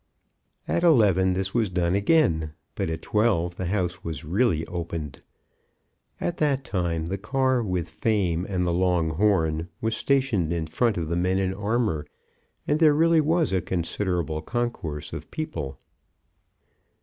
At eleven this was done again; but at twelve the house was really opened. At that time the car with Fame and the long horn was stationed in front of the men in armour, and there really was a considerable concourse of people.